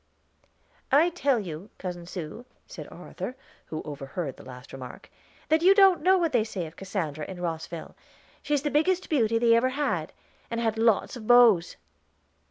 "I tell you, Cousin Sue," said Arthur, who overheard the last remark, "that you don't know what they say of Cassandra in Rosville. She's the biggest beauty they ever had, and had lots of beaus."